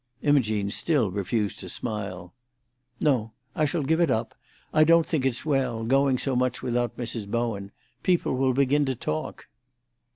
Imogene still refused to smile. "No; I shall give it up. I don't think it's well, going so much without Mrs. Bowen. People will begin to talk."